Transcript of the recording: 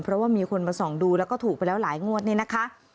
เพราะว่ามีคนมาส่องดูแล้วก็ถูกไปแล้วหลายงวดนี่นะคะ